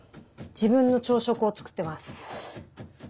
自分の朝食を作ってます。